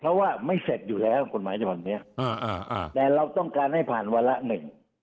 เพราะว่าไม่เสร็จอยู่แล้วกฎหมายฉบับนี้แต่เราต้องการให้ผ่านวาระหนึ่ง